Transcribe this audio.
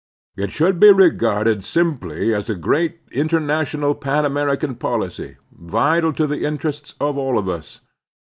It should be regarded yamply as a great international Pan American \. policy, vital to the interests of all of us.